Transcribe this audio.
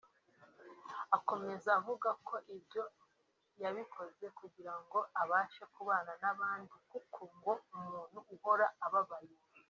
Akomeza avuga ko ibyo yabikoze kugira ngo abashe kubana n’abandi kuko ngo umuntu uhora ababaye